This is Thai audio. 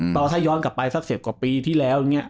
ถ้าย้อนกลับไปสัก๑๐กว่าปีที่แล้วอย่างนี้